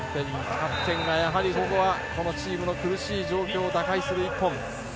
キャプテンがここはこのチームの苦しい状況を打開する１本。